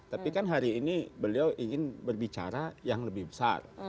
tapi kan hari ini beliau ingin berbicara yang lebih besar